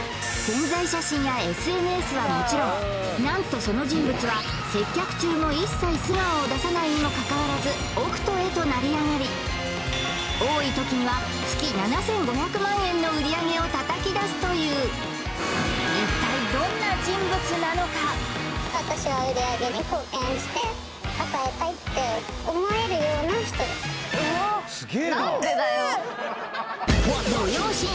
宣材写真やＳＮＳはもちろんなんとその人物は接客中も一切素顔を出さないにもかかわらず億トへと成り上がり多いときには月７５００万円の売り上げをたたき出すという一体すげえななんでだよ